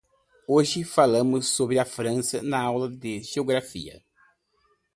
Hoje falamos sobre a França na aula de geografia.